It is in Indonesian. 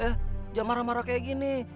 ya marah marah kayak gini